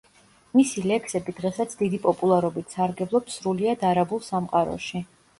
მისი ლექსები დღესაც დიდი პოპულარობით სარგებლობს სრულიად არაბულ სამყაროში.